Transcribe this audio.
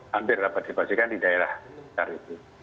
hampir dapat dipastikan di daerah sekitar itu